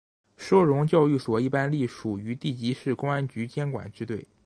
收容教育所一般隶属于地级市公安局监管支队。